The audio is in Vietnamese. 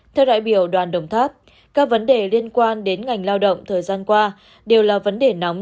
theo đại biểu đoàn đồng tháp các vấn đề liên quan đến ngành lao động thời gian qua đều là vấn đề nóng